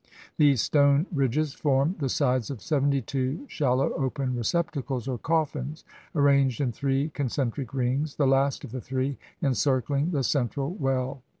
These stone ridges form the sides of seventy two shal low open receptacles or coffins, arranged in three con centric rings, the last of the three encircling the central well.